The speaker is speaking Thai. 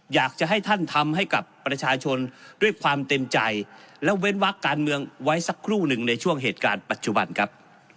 อยากจะให้ท่านทำให้กับประชาชนด้วยความเต็มใจและเว้นวักการเมืองไว้สักครู่หนึ่งในช่วงเหตุการณ์ปัจจุบันครับ